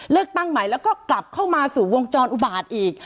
เลือกตั้งใหม่แล้วก็กลับเข้ามาสู่วงจรอุบาตอีก